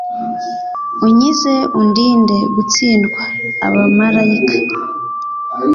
unkize undinde gutsindwa Abamarayika